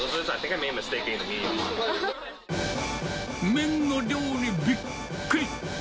麺の量にびっくり。